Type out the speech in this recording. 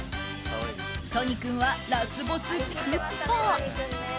都仁君はラスボス、クッパ。